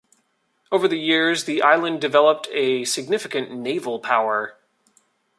Over the years the island developed a significant naval power.